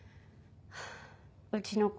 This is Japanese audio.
うちの子